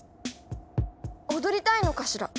踊りたいのかしら？